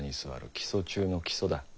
基礎中の基礎だ。